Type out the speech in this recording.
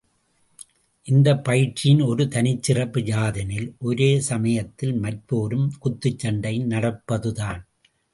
இந்தப் பயிற்சியின் ஒரு தனிச்சிறப்பு யாதெனில், ஒரே சமயத்தில் மற்போரும் குத்துச் சண்டையும் நடப்பதுதான்.